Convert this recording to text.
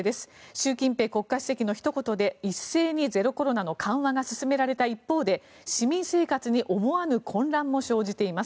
習近平国家主席のひと言で一斉にゼロコロナの緩和が進められた一方で市民生活に思わぬ混乱も生じています。